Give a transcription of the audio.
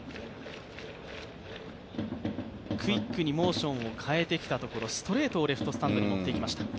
クイックにモーションを変えたところストレートをレフトスタンドに持っていきました。